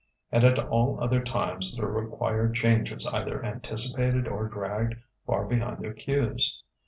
And at all other times the required changes either anticipated or dragged far behind their cues.